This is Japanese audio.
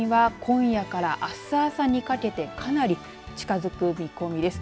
九州には今夜からあす朝にかけてかなり近づく見込みです。